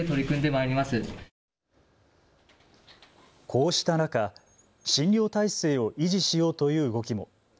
こうした中、診療態勢を維持しようという動きも。